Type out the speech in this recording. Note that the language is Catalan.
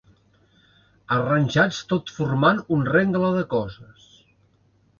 Arranjats tot formant un rengle de coses.